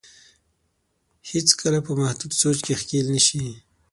هېڅ کله په محدود سوچ کې ښکېل نه شي.